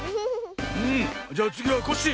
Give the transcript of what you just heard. うんじゃあつぎはコッシー。